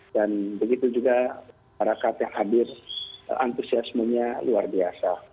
dan begitu juga para kapten hadir antusiasmenya luar biasa